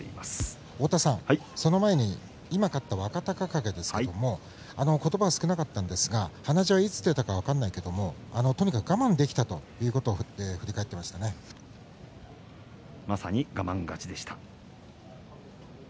その前に今勝った若隆景ですが言葉少なに鼻血はいつ出たか分からないけれどもとにかく我慢できたということをまさに我慢勝ちでした。